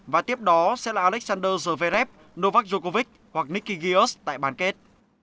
và tiếp đó sẽ là alexander zverev novak djokovic hoặc nicky gius tại bán kết